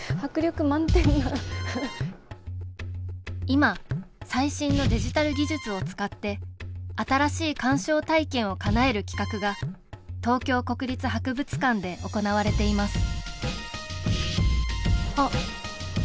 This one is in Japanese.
今最新のデジタル技術を使って新しい鑑賞体験をかなえる企画が東京国立博物館で行われています